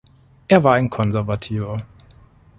Er war ein Konservativer.